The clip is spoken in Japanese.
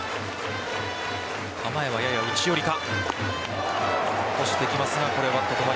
構えはやや内寄りか。